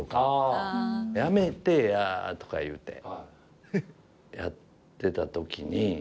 「やめてやー」とか言うてやってた時に。